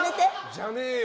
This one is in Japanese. じゃねーよ！